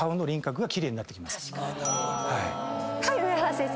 はい上原先生。